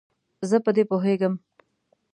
زه په دې پوهیږم.